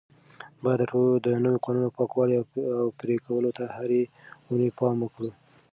باید د نوکانو پاکوالي او پرې کولو ته هره اونۍ پام وکړو.